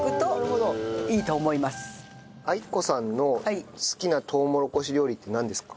愛子さんの好きなとうもろこし料理ってなんですか？